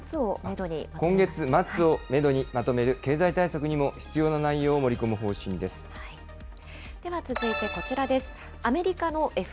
今月末をメドにまとめる経済対策にも必要な内では続いてこちらです。